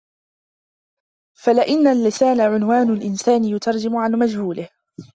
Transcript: فَلِأَنَّ اللِّسَانَ عُنْوَانُ الْإِنْسَانِ يُتَرْجِمُ عَنْ مَجْهُولِهِ